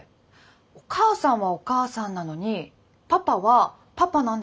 お母さんは「お母さん」なのにパパは「パパ」なんですねって。